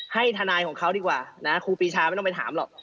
ทนายของเขาดีกว่านะครูปีชาไม่ต้องไปถามหรอก